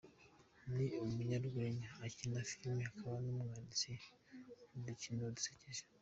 Ni umunyarwenya, akina filime akaba n’umwanditsi w’udukino dusekeje.